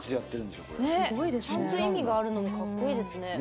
ちゃんと意味があるのもかっこいいですね。